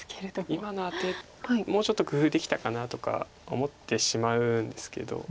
今のアテもうちょっと工夫できたかなとか思ってしまうんですけど。